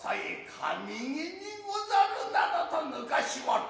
かみげにござるなどとぬかしおる。